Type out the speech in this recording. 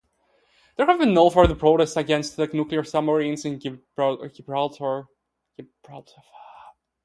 There have been no further protests against nuclear submarines in Gibraltar.